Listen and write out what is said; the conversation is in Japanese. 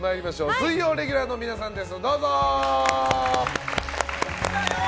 水曜レギュラーの皆さんです。